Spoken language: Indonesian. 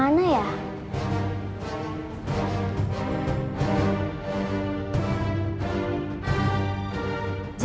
aku mau pergi ke mama